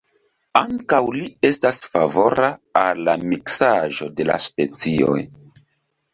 Ankaŭ li estas favora al la miksaĵo de la specioj.